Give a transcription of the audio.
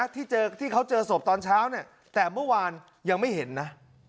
ที่เขาเจอศพตอนเช้าแต่เมื่อวานยังไม่เห็นนะ